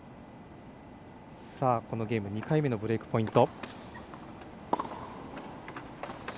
このゲーム２回目のブレークポイント。